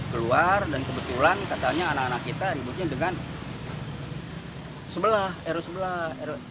keluar dan kebetulan katanya anak anak kita ributnya dengan sebelah ru sebelah